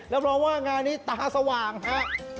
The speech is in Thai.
แล้วเราว่างานนี้ตาสว่างฮะ